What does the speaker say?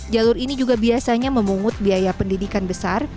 mereka juga biasanya memungut biaya pendidikan besar